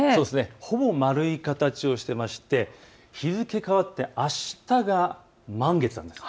ほぼ丸い形をしていまして日付変わってあしたが満月なんです。